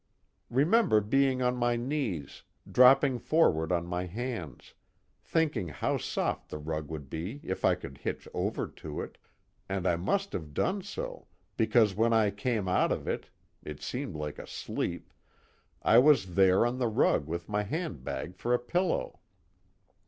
Remember being on my knees, dropping forward on my hands, thinking how soft the rug would be if I could hitch over to it, and I must have done so, because when I came out of it seemed like a sleep I was there on the rug with my handbag for a pillow.